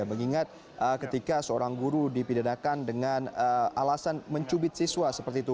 saya ingat ketika seorang guru dipindadakan dengan alasan mencubit siswa seperti itu